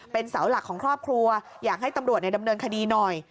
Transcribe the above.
เป็นเสาหลักของครอบครัวอยากให้ตำรวจดำเนินคดีหน่อย